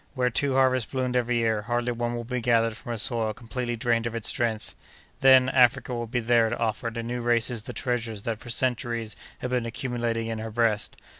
Where two harvests bloomed every year, hardly one will be gathered from a soil completely drained of its strength. Then, Africa will be there to offer to new races the treasures that for centuries have been accumulating in her breast.